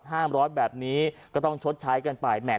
ห้ามร้อยแบบนี้ก็ต้องชดใช้กันไปแห่